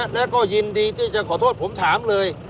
แล้วก็ยินดีที่จะขอโทษผมถามเลย